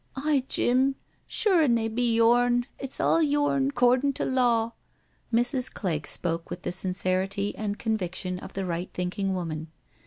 '* Aye, Jim, sure an' they be yourn— it's all yourn, 'cordin' to law." Mrs. Clegg spoke with the sincerity and conviction of the right thinking woman.